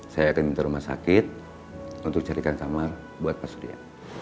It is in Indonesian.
saya akan minta rumah sakit untuk carikan samar buat pak surya